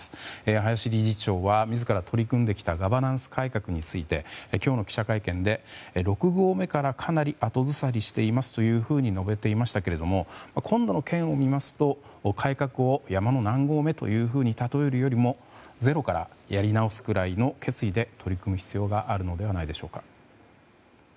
林理事長は自ら取り組んできたガバナンス改革について今日の記者会見で６合目からかなり後ずさりしていますというふうに述べていましたが今度の件を見ますと改革を山の何合目というふうに例えるよりもゼロからやり直すくらいの決意で取り組む必要があるのではないでしょうか。